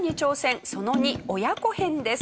その２親子編です。